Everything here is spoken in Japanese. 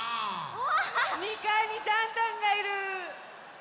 ２かいにジャンジャンがいる！